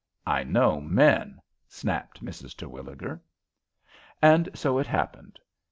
"I know men!" snapped Mrs. Terwilliger. And so it happened.